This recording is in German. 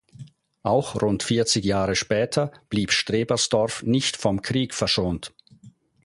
Auch rund vierzig Jahre später blieb Strebersdorf nicht vom Krieg verschont.